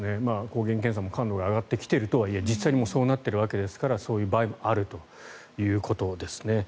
抗原検査も感度が上がってきているとはいえ実際にもうそうなっているわけですからそういう場合もあるということですね。